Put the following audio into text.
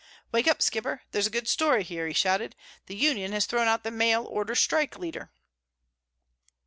"Wake up, Skipper! There's a good story here!" he shouted. "The union has thrown out the mail order strike leader!"